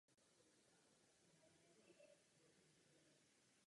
Kirk o tom pochybuje a nechává Garyho uvěznit.